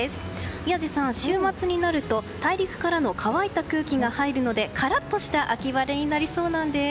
宮司さん、週末になると大陸からの乾いた空気が入るのでカラッとした秋晴れになりそうなんです。